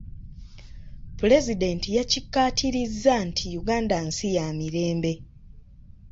Pulezidenti yakikaatirizza nti Uganda nsi ya mirembe.